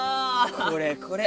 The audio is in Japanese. これこれ。